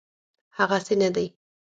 هغسي نه دی.